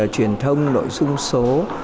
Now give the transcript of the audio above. truyền thông nội dung số